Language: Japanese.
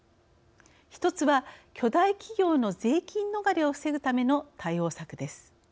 １つは巨大企業の税金逃れを防ぐための対応策です。